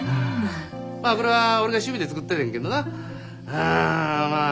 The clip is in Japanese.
まあこれは俺が趣味で作っててんけどなうんまあ